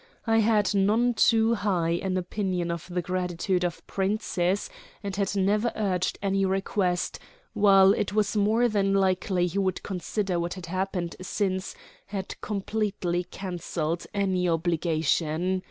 I had none too high an opinion of the gratitude of princes, and had never urged any request; while it was more than likely he would consider what had happened since had completely cancelled any obligation.